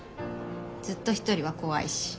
ずっと一人は怖いし。